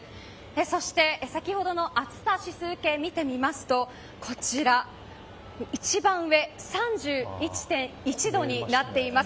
そして先ほどの暑さ指数計見てみますと、こちら一番上３１．１度になっています。